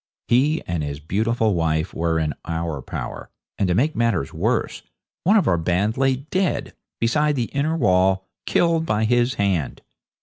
He and his beautiful wife were in our power, and, to make matters worse, one of our band lay dead, beside the inner wall, killed by his hand.